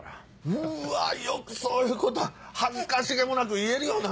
うわよくそういうこと恥ずかしげもなく言えるよな！